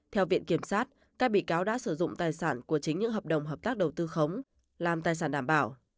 theo viện kiểm sát các bị cáo đã sử dụng tài sản của chính những hợp đồng hợp tác đầu tư khống làm tài sản đảm bảo